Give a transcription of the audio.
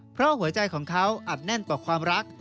เพราะหัวใจของเขาอัดแน่นกว่าความรัก